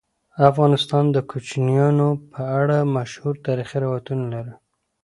افغانستان د کوچیانو په اړه مشهور تاریخی روایتونه لري.